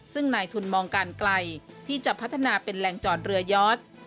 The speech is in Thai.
ซึ่งนายทุนมองการไกลที่จะพัฒนาเป็นแหล่งจอดเรือยอด